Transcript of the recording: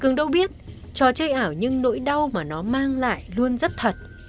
thường đâu biết trò chơi ảo nhưng nỗi đau mà nó mang lại luôn rất thật